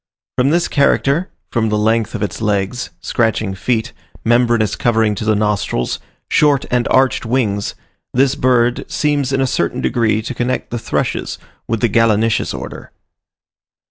From this character, from the length of its legs, scratching feet, membranous covering to the nostrils, short and arched wings, this bird seems in a certain degree to connect the thrushes with the gallinaceous order.